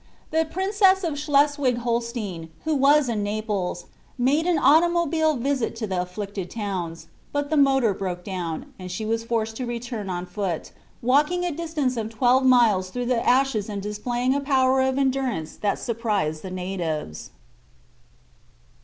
The Princess of Schleswig Holstein, who was in Naples, made an automobile visit to the afflicted towns, but the motor broke down, and she was forced to return on foot, walking a distance of twelve miles through the ashes and displaying a power of endurance that surprised the natives.